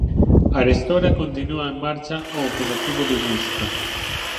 Arestora continúa en marcha o operativo de busca.